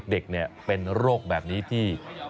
เด็กเป็นโรคแบบนี้ที่